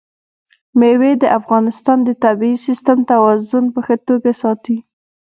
مېوې د افغانستان د طبعي سیسټم توازن په ښه توګه ساتي.